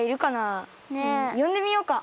よんでみようか。